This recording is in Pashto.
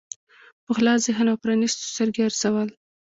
په خلاص ذهن او پرانیستو سترګو یې ارزول.